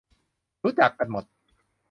รู้จักกันหมด